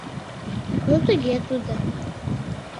- Ну тыге тудо.